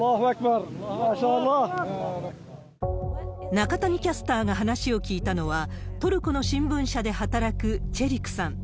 中谷キャスターが話を聞いたのは、トルコの新聞社で働くチェリクさん。